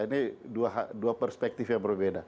ini dua perspektif yang berbeda